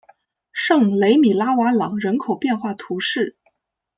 圣雷米拉瓦朗人口变化图示